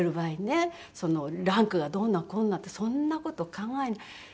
ランクがどんなこんなってそんな事考えない。